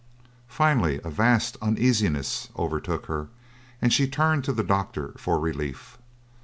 Finally a vast uneasiness overtook her and she turned to the doctor for relief.